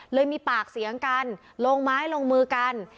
เลยมีปากเสียงกันลงไม้ลงมือกัน